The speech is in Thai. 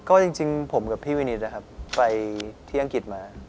ก็จริงผมกับพี่วินิตนะครับไปที่อังกฤษมา